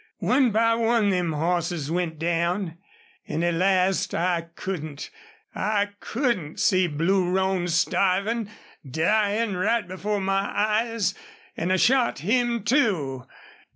One by one them hosses went down.... An' at last, I couldn't I couldn't see Blue Roan starvin' dyin' right before my eyes an' I shot him, too....